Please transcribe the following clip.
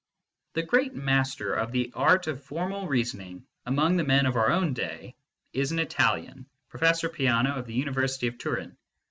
The great master of the art of formal reasoning, among the men of our own day, is an Italian, Professor Peano, of the University of Turin.